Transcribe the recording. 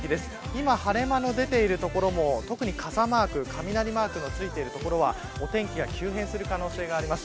今、晴れ間の出ている所も特に傘マーク、雷マークのついている所はお天気が急変する可能性があります。